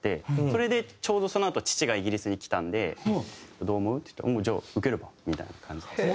それでちょうどそのあと父がイギリスに来たので「どう思う？」って言って「じゃあ受ければ？」みたいな感じです。